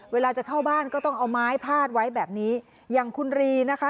เวลาจะเข้าบ้านก็ต้องเอาไม้พาดไว้แบบนี้อย่างคุณรีนะคะ